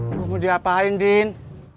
mau diapain udin